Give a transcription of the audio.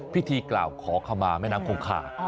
พิธีกล่าวขอขมาแม่น้ำคงคา